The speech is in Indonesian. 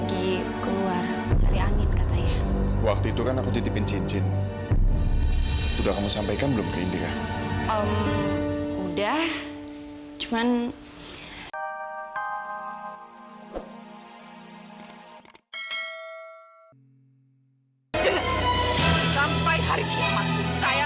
setelah semua yang kamu berbuat sama saya kamu tidak kenal sama saya